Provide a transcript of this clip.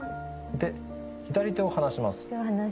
で左手を離します。